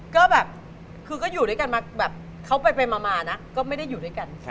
ก็แบบคือก็อยู่ด้วยกันมาแบบเขาไปมานะก็ไม่ได้อยู่ด้วยกัน